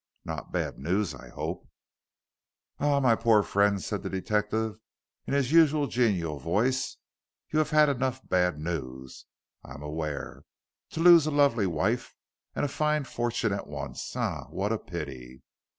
"No bad news, I hope?" "Ah, my poor friend," said the detective, in his usual genial voice, "you have had enough bad news, I am aware. To lose a lovely wife and a fine fortune at once. Eh, what a pity!"